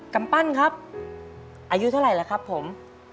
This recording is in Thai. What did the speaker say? กำปั้นครับอายุเท่าไหร่แล้วครับผม